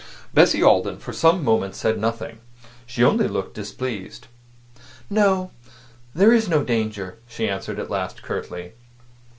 Bessie Alden for some moments said nothing; she only looked displeased. "No; there is no danger," she answered at last, curtly.